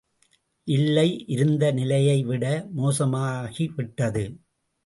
இல்லை, இருந்த நிலையைவிட மோசமாகிவிட்டது.